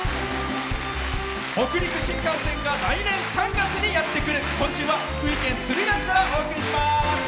北陸新幹線が来年３月にやってくる今週は福井県敦賀市からお送りします。